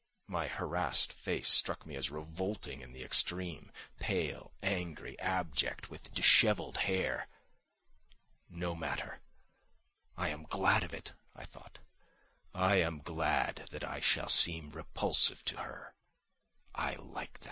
My harassed face struck me as revolting in the extreme, pale, angry, abject, with dishevelled hair. "No matter, I am glad of it," I thought; "I am glad that I shall seem repulsive to her; I like tha